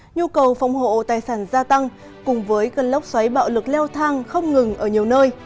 nhu cầu phòng hộ tài sản gia tăng cùng với cơn lốc xoáy bạo lực leo thang không ngừng ở nhiều nơi